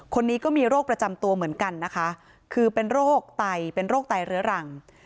คนนี้ก็มีโรคประจำตัวเหมือนกันนะคะคือเป็นโรคไตเป็นโรคไตเรื้อรัง